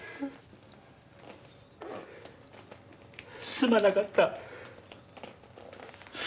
すまなかった。